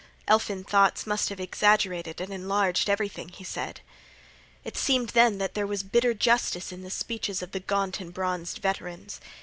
Elfin thoughts must have exaggerated and enlarged everything, he said. It seemed, then, that there was bitter justice in the speeches of the gaunt and bronzed veterans.